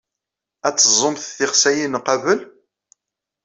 Ad teẓẓumt tixsayin qabel?